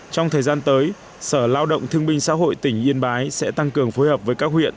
trong thời gian tới sở lao động thương binh xã hội tỉnh yên bái sẽ tăng cường phối hợp với các huyện